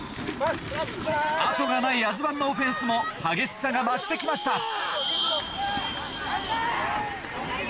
後がないアズワンのオフェンスも激しさが増して来ました。